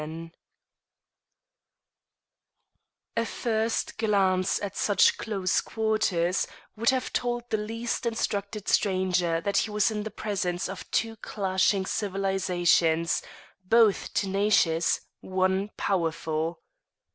VII A first glance, at such close quarters, would have told the least instructed stranger that he was in the presence of two clashing civilizations, both tenacious, one powerful.